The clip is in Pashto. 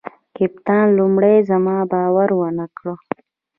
کپتان لومړي زما باور ونه کړ.